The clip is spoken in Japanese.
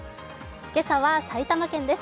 今朝は埼玉県です